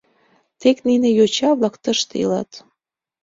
Тек нине йоча-влак тыште илат!